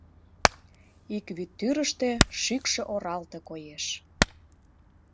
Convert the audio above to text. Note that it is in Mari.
Ик вӱд тӱрыштӧ шӱкшӧ оралте коеш.